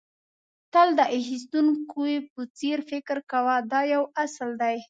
تل د اخيستونکي په څېر فکر کوه دا یو اصل دی.